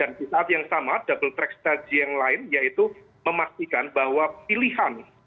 dan di saat yang sama double track strategy yang lain yaitu memastikan bahwa pilihan